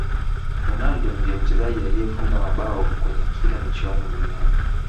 ronaldo ndiye mchezaji aliyefunga mabao kwenye kila michuano duniani